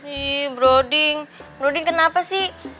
ih boroding boroding kenapa sih